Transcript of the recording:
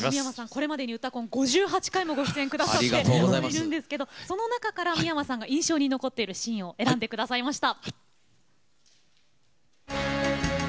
これまでに「うたコン」５８回もご出演を下さっているんですけどその中から三山さんが印象に残っているシーンを選んで下さいました。